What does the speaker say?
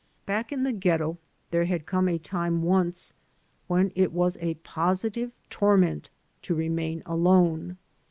Back in the Ghetto there had come a time once when it was a positive tor ment to remain alone.